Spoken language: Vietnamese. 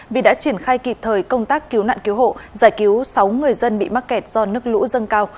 vì đã triển khai kịp thời công tác cứu nạn cứu hộ giải cứu sáu người dân bị mắc kẹt do nước lũ dâng cao